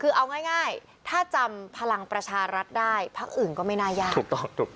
คือเอาง่ายถ้าจำพลังประชารัฐได้ภาคอื่นก็ไม่น่ายาก